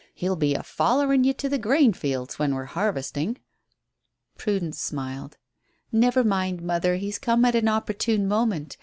He'll be a follerin' you to the grain fields when we're harvesting." Prudence smiled. "Never mind, mother. He's come at an opportune moment.